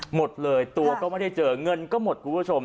หมดเลยตัวก็ไม่ได้เจอเงินก็หมดคุณผู้ชม